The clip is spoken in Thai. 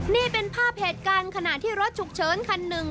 นี่เป็นภาพเหตุการณ์ขณะที่รถฉุกเฉินคันหนึ่ง